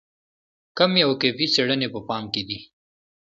کمي او کیفي څېړنې په پام کې دي.